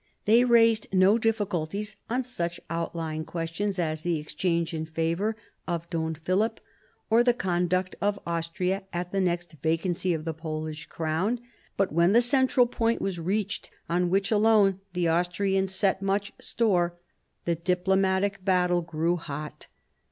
They raised no difficulties on such outlying questions as the exchange in favour of Don Philip, or the conduct of Austria at the next vacancy of the Polish crown, but when the central point was reached, on which alone the Austrians set much store, the diplomatic battle grew hot.